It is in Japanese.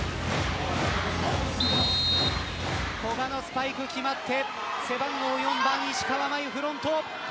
古賀のスパイクが決まって背番号４番、石川真佑フロント。